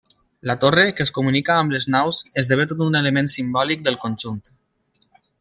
La torre, que es comunica amb les naus, esdevé tot un element simbòlic del conjunt.